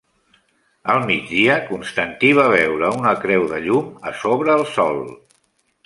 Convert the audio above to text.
Al migdia, Constantí va veure una creu de llum a sobre el sol.